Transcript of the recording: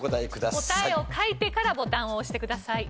答えを書いてからボタンを押してください。